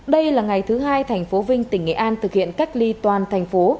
đây là ngày thứ hai thành phố vinh tỉnh nghệ an thực hiện cách ly toàn thành phố